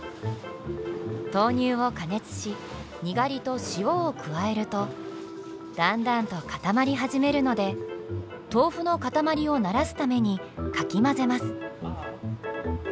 豆乳を加熱しニガリと塩を加えるとだんだんと固まり始めるので豆腐の塊をならすためにかき混ぜます。